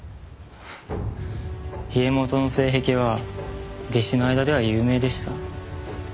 家元の性癖は弟子の間では有名でした。